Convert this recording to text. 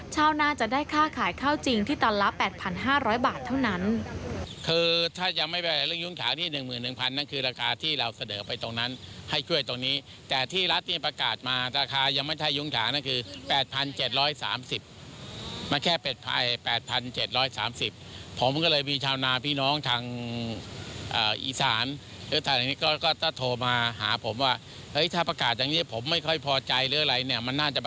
ชาวนาจะได้ค่าขายข้าวจริงที่ตันละ๘๕๐๐บาทเท่านั้น